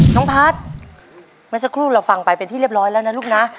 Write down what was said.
น้องพัฒน์เมื่อสักครู่เราฟังไปเป็นที่เรียบร้อยแล้วนะลูกนะ